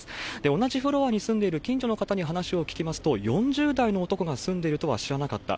同じフロアに住んでいる近所の方に話を聞きますと、４０代の男が住んでいるとは知らなかった。